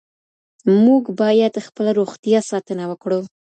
موږ بايد خپله روغتيا ساتنه وکړو.